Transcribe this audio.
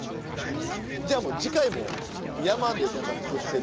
じゃあもう次回も山で何か作ってる。